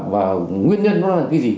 và nguyên nhân nó là cái gì